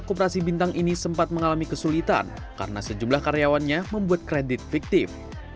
kooperasi bintang ini sempat mengalami kesulitan karena sejumlah karyawannya membuat kredit fiktif